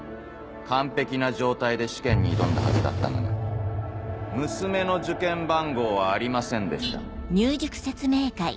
完璧な状態で試験に挑んだはずだったのに娘の受験番号はありませんでした」。